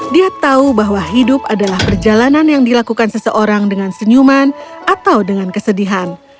dia tahu bahwa hidup adalah perjalanan yang dilakukan seseorang dengan senyuman atau dengan kesedihan